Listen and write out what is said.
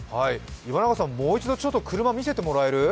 岩永さん、もう一度車見せてもらえる？